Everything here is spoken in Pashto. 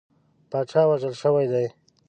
پاچا وژل شوی دی.